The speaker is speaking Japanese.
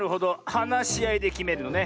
はなしあいできめるのね。